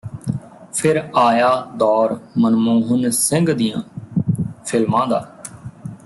ਫਿਰ ਆਇਆ ਦੌਰ ਮਨਮੋਹਨ ਸਿੰਘ ਦੀਆਂ ਫਿਲਮਾਂ ਦਾ